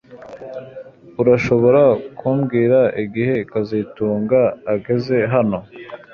Urashobora kumbwira igihe kazitunga ageze hano